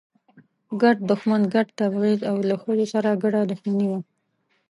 ګډ دښمن، ګډ تبعیض او له ښځو سره ګډه دښمني وه.